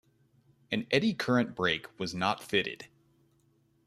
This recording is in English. An eddy current brake was not fitted.